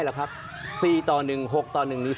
แล้วคนที่คุณทำเนี่ยคือคนพิการ